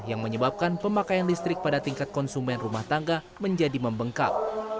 yang menyebabkan pemakaian listrik pada tingkat konsumen rumah tangga menjadi membengkak